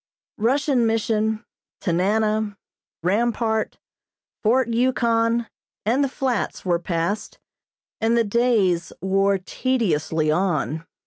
Russian Mission, Tanana, Rampart, Fort Yukon and the Flats were passed, and the days wore tediously on.